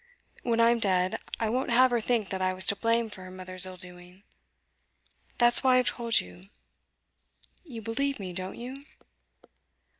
When I'm dead, I won't have her think that I was to blame for her mother's ill doing. That's why I've told you. You believe me, don't you?